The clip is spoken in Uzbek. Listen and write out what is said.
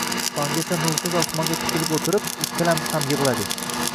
Tonggacha nursiz osmonga tikilib o`tirib ikkalamiz ham yig`ladik